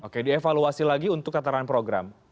oke dievaluasi lagi untuk tataran program